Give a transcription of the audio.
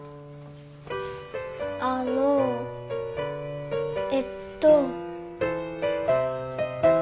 あのえっと。